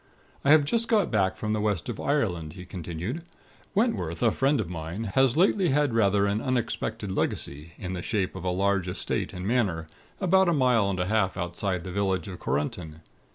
"I have just got back from the West of Ireland," he continued. "Wentworth, a friend of mine, has lately had rather an unexpected legacy, in the shape of a large estate and manor, about a mile and a half outside of the village of Korunton.